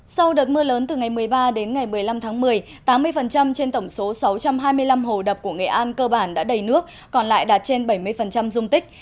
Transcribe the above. sau đợt mưa lớn từ ngày một mươi ba đến ngày một mươi năm tháng một mươi tám mươi trên tổng số sáu trăm hai mươi năm hồ đập của nghệ an cơ bản đã đầy nước còn lại đạt trên bảy mươi dung tích